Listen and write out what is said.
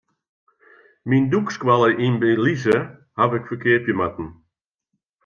Myn dûkskoalle yn Belize haw ik ferkeapje moatten.